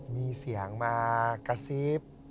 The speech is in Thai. มีเสียงมากระซิบ